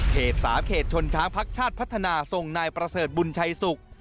๓เขตชนช้างพักชาติพัฒนาส่งนายประเสริฐบุญชัยศุกร์